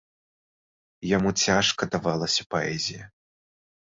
Яму цяжка давалася паэзія.